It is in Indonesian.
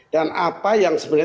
dan apa yang sebenarnya